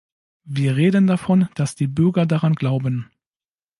Wir reden davon, dass die Bürger daran glauben.